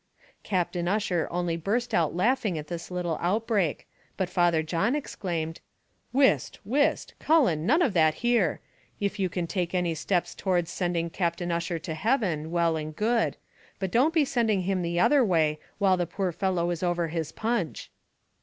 Captain Ussher only burst out laughing at this little outbreak, but Father John exclaimed, "Whist! whist! Cullen, none of that here: if you can take any steps towards sending Captain Ussher to heaven, well and good; but don't be sending him the other way while the poor fellow is over his punch."